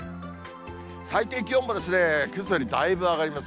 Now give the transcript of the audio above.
最低気温もけさよりだいぶ上がります。